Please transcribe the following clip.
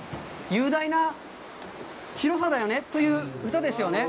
雄大な広さだよねという歌ですよね。